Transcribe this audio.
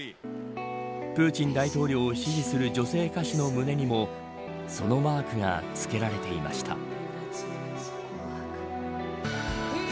プーチン大統領を支持する女性歌手の胸にもそのマークがつけられていました。